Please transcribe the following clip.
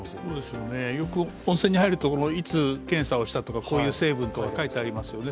よく温泉に入るといつ検査をしたとか、こういう成分とか書いてありますよね。